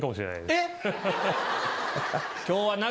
えっ！